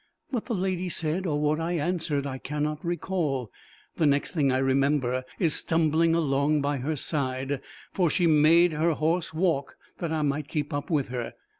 What the lady said, or what I answered, I cannot recall. The next thing I remember is stumbling along by her side, for she made her horse walk that I might keep up with her.